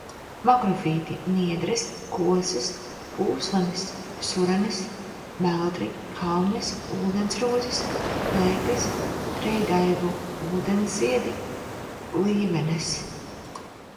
Makrofīti: niedres, kosas, pūslenes, sūrenes, meldri, kalmes, ūdensrozes, lēpes, trejdaivu ūdensziedi, glīvenes.